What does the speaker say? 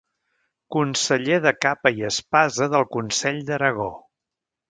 Conseller de capa i espasa del Consell d’Aragó.